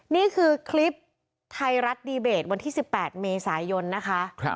นี่คือคลิปไทยรัฐดีเบตวันที่๑๘เมษายนนะคะ